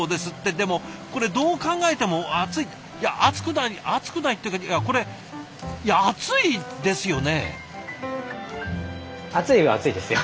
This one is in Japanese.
でもこれどう考えても熱いいや熱くない熱くないっていうかいやこれいや熱いですよね？